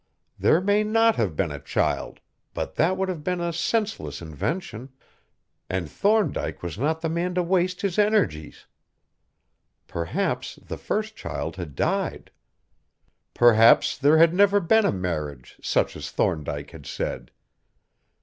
There may not have been a child; but that would have been a senseless invention and Thorndyke was not the man to waste his energies. Perhaps the first child had died. Perhaps there had never been a marriage such as Thorndyke had said.